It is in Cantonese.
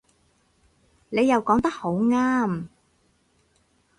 你又講得好啱